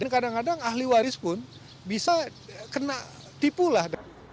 kadang kadang ahli waris pun bisa kena tipu lah